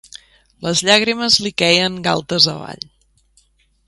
Les llàgrimes li queien galtes avall.